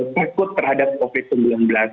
takut terhadap covid sembilan belas